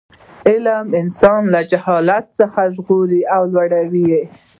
علم انسان له جهالت څخه ژغوري او لوړوي.